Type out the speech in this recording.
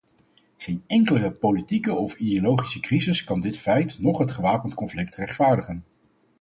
Geen enkele politieke of ideologische crisis kan dit feit noch het gewapende conflict rechtvaardigen.